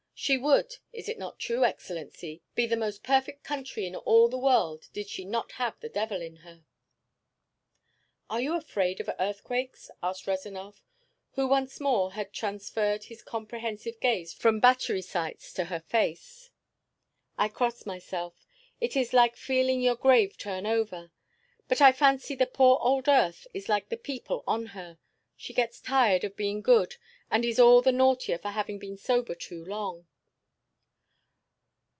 She would is it not true, Excellency? be the most perfect country in all the world did she not have the devil in her." "Are you afraid of earthquakes?" asked Rezanov, who once more had transferred his comprehensive gaze from battery sites to her face. "I cross myself. It is like feeling your grave turn over. But I fancy the poor old earth is like the people on her; she gets tired of being good and is all the naughtier for having been sober too long.